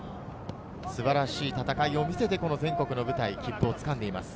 素晴らしい戦いを見せて、全国の舞台、切符をつかんでいます。